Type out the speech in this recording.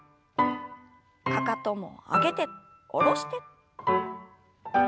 かかとも上げて下ろして。